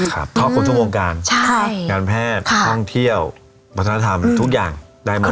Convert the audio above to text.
เพราะคนทุกโครงการการแพทย์ท่องเที่ยวปัจจนธรรมทุกอย่างได้มา